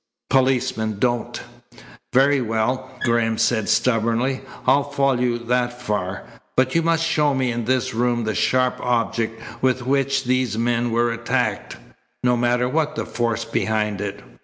Policemen don't." "Very well," Graham said stubbornly. "I'll follow you that far, but you must show me in this room the sharp object with which these men were attacked, no matter what the force behind it."